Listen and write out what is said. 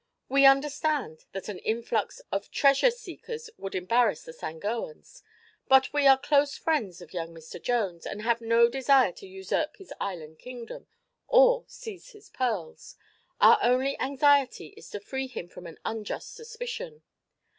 We understand that an influx of treasure seekers would embarrass the Sangoans. But we are close friends of young Mr. Jones and have no desire to usurp his island kingdom or seize his pearls. Our only anxiety is to free him from an unjust suspicion.